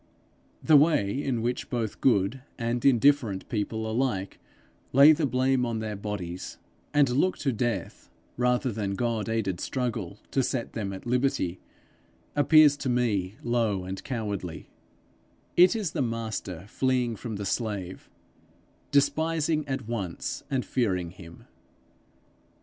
The way in which both good and indifferent people alike lay the blame on their bodies, and look to death rather than God aided struggle to set them at liberty, appears to me low and cowardly: it is the master fleeing from the slave, despising at once and fearing him.